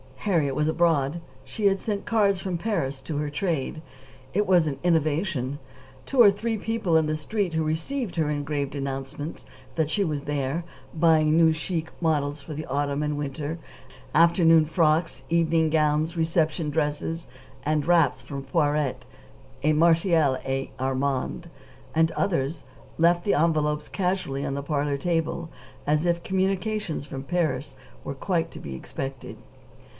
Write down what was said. Harriet was abroad. She had sent cards from Paris to her "trade." It was an innovation. The two or three people on the Street who received her engraved announcement that she was there, "buying new chic models for the autumn and winter afternoon frocks, evening gowns, reception dresses, and wraps, from Poiret, Martial et Armand, and others," left the envelopes casually on the parlor table, as if communications from Paris were quite to be expected.